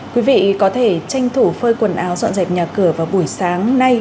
quý vị có thể tranh thủ phơi quần áo dọn dẹp nhà cửa vào buổi sáng nay